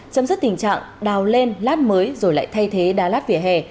chấm dứt tình trạng đào lên lát mới rồi lại thay thế đá lát vỉa hè